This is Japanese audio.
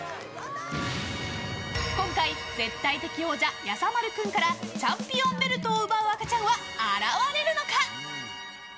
今回、絶対的王者やさまる君からチャンピオンベルトを奪う赤ちゃんは現れるのか。